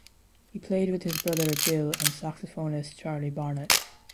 He played with his brother Bill and saxophonist Charlie Barnet.